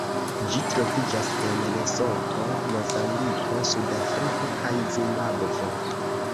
Ĝi troviĝas en Lesoto, Mozambiko, Sudafriko kaj Zimbabvo.